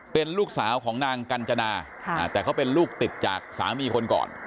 เป็นลูกสาวของนางกัญจนาแต่เขาเป็นลูกติดจากสามีคนก่อน